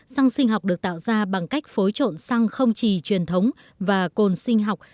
xăng sinh học được tạo ra bằng cách phối trộn xăng không trì truyền thống và cồn sinh học